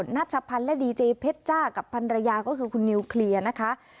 นัชพันธ์และดีเจเพชรจ้ากับพันรยาก็คือคุณนิวเคลียร์นะคะ